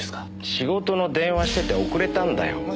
仕事の電話してて遅れたんだよ。